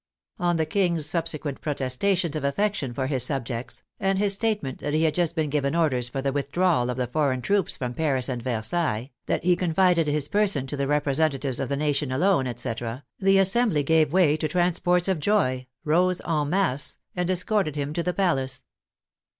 On the King's subsequent protestations of affection for his subjects, and his statement that he had just given orders for the withdrawal of the foreign troops from Paris and Ver i8 THE FRENCH REVOLUTION sailles, that he confided his person to the representatives of the nation alone, etc., the Assembly gave way to trans ports of joy, rose en masse, and escorted him to the palace.